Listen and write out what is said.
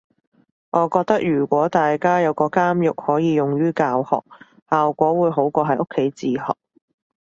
我覺得如果大家有個監獄可以用於教學，效果會好過喺屋企自學